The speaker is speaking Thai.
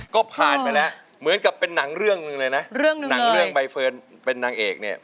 ก็ผ่านไปแล้วเหมือนกับเป็นหนังเรื่องหนึ่งเลยนะเรื่องหนึ่งหนังเรื่องใบเฟิร์นเป็นนางเอกเนี่ย